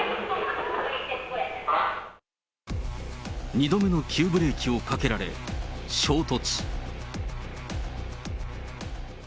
２度目の急ブレーキをかけられ、衝突。